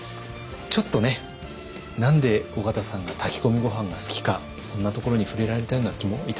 ちょっとね何で緒方さんが炊き込みご飯が好きかそんなところに触れられたような気もいたします。